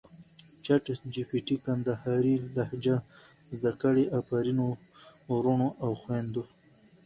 چټ جې پې ټې کندهارې لهجه زده کړه افرین ورونو او خویندو!